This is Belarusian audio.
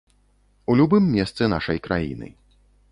У любым месцы нашай краіны.